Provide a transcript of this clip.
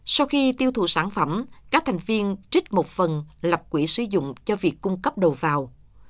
sau khi tiêu thụ sản phẩm các thành viên trích một phần lập quỹ sử dụng cho việc cung cấp đầu vào